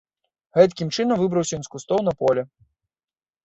Гэткім чынам выбраўся ён з кустоў на поле.